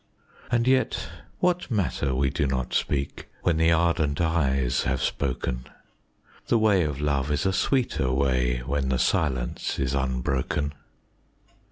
And yet what matter we do not speak, when the ardent eyes have spoken, The way of love is a sweeter way, when the silence is unbroken.